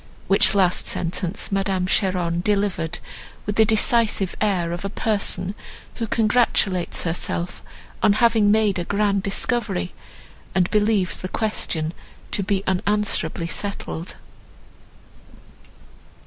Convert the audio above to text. —which last sentence Madame Cheron delivered with the decisive air of a person who congratulates herself on having made a grand discovery, and believes the question to be unanswerably settled.